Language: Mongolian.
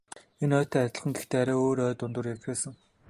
Энэ ойтой адилхан гэхдээ арай өөр ой дундуур явж байсан.